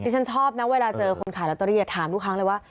ดิฉันชอบนะเวลาเจอคนขายเรียนตัวระยะถามทุกครั้งเลยว่า